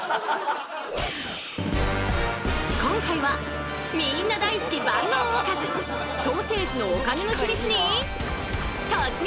今回はみんな大好き万能おかずソーセージのお金の秘密に突撃！